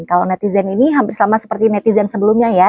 kalau netizen ini hampir sama seperti netizen sebelumnya ya